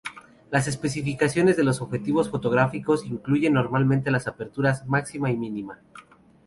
Las especificaciones de los objetivos fotográficos incluyen normalmente las aperturas máxima y mínima.